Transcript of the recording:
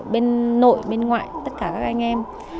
bên nội bên ngoại tất cả các anh em